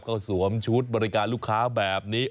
ก็สวมชุดบริการลูกค้าแบบนี้